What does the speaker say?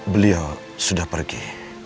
beliau sudah pergi